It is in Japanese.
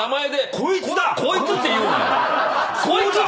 「こいつ」って言うな！